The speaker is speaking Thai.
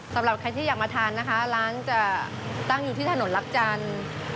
สำหรับใครที่อยากมาทานนะคะร้านจะตั้งอยู่ที่ถนนรักจันทร์